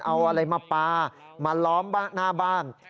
เอาอะไรมาปลามาล้อมหน้าบ้าน